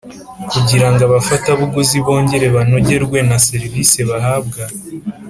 kugira ngo abafatabuguzi bongere banogerwe na serivisi bahabwa.